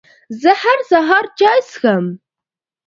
زه هر سهار چای څښم.